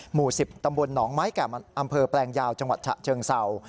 หมู่๑๐ตำบลหนองไม้แก่อำเภอแปลงยาวจังหวัดฉะเชิงเศร้า